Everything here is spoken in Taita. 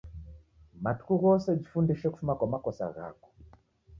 Matuku ghose jifundishe kufuma kwa makosa ghako